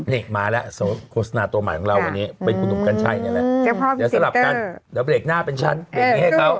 นี่มาแล้วโฆษณาตัวใหม่ของเราวันนี้เป็นคุณหนุ่มกัญชัยนี่แหละเดี๋ยวสลับกันเดี๋ยวเบรกหน้าเป็นฉันเบรกนี้ให้เขา